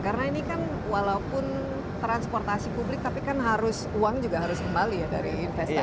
karena ini kan walaupun transportasi publik tapi kan harus uang juga harus kembali ya dari investasi